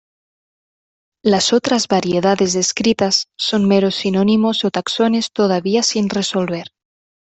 Las otras variedades descritas son meros sinónimos o taxones todavía sin resolver.